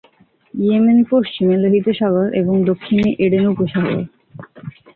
ইয়েমেনের পশ্চিমে লোহিত সাগর এবং দক্ষিণে এডেন উপসাগর।